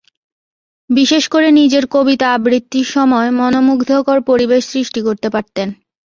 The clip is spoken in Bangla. বিশেষ করে নিজের কবিতা আবৃত্তির সময় মনোমুগ্ধকর পরিবেশ সৃষ্টি করতে পারতেন।